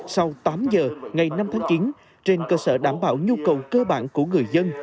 sau tám giờ ngày năm tháng chín trên cơ sở đảm bảo nhu cầu cơ bản của người dân